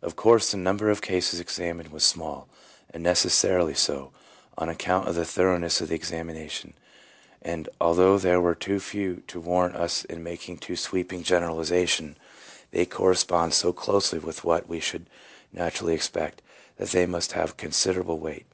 Of course the number of cases examined was small, and necessarily so, on account of the thoroughness of the examina tion ; and although there were too few to warrant us in making too sweeping a generalization, they corre spond so closely with what we should naturally expect, that they must have considerable weight.